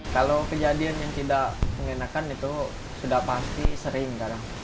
kalau kejadian yang tidak mengenakan itu sudah pasti sering